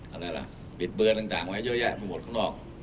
อะไรล่ะปิดเบอร์ต่างไว้เยอะแยะไปหมดข้างนอก